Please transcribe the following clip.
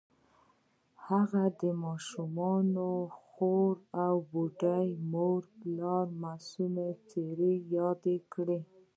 هغه د ماشومې خور او بوډا مور او پلار معصومې څېرې یادې کړې